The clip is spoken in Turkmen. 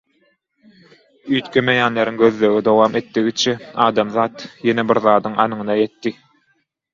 Üýtgemeýänleriň gözlegi dowam etdigiçe adamzat ýene bir zadyň anygyna ýetdi.